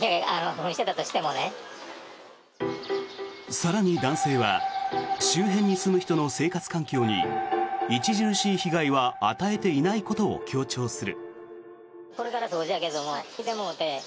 更に、男性は周辺に住む人の生活環境に著しい被害は与えていないことを強調する。